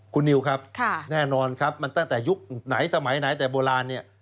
คุณนิวครับแน่นอนครับมันตั้งแต่ยุคไหนสมัยไหนแต่โบราณเนี่ย